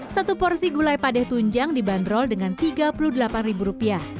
satu porsi gulai padeh tunjang dibanderol dengan tiga puluh delapan ribu rupiah